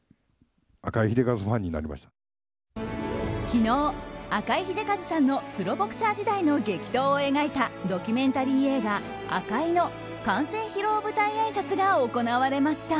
昨日、赤井英和さんのプロボクサー時代の激闘を描いたドキュメンタリー映画「ＡＫＡＩ」の完成披露舞台あいさつが行われました。